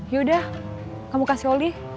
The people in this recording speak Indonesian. yaudah kamu kasih oli